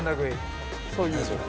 そういう。